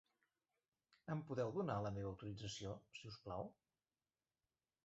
Em podeu donar la meva autorització, si us plau?